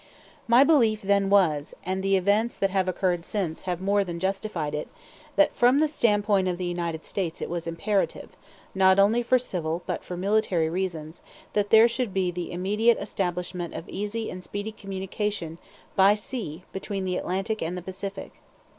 My belief then was, and the events that have occurred since have more than justified it, that from the standpoint of the United States it was imperative, not only for civil but for military reasons, that there should be the immediate establishment of easy and speedy communication by sea between the Atlantic and the Pacific.